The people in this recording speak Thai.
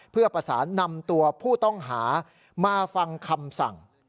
เพื่อประสานนำตัวผู้ต้องหามาฟังคำสั่ง